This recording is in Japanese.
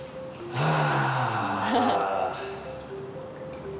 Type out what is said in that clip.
はあ！